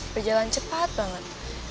berjalan cepat banget